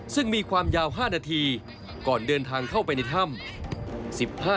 ซึ่งมีความยาว๕นาทีก่อนเดินทางเข้าไปในถ้ำ